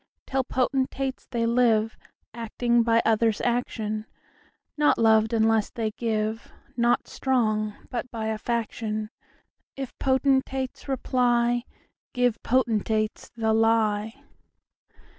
Tell potentates, they liveActing by others' action; Not loved unless they give, Not strong, but by a faction:If potentates reply, Give potentates the lie.